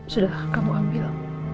sudah kamu ambil